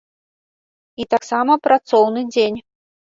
І таксама працоўны дзень.